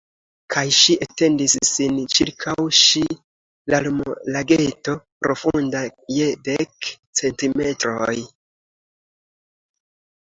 Kaj ŝi etendis sin ĉirkaŭ ŝi larmlageto profunda je dek centimetroj.